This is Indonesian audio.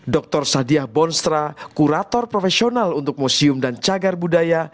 dr sadiah bonstra kurator profesional untuk museum dan cagar budaya